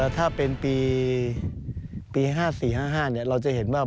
ถ้าเป็นปี๕๔๕๕เราจะเห็นว่า